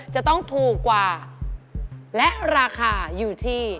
จะต้องถูกกว่าและราคาอยู่ที่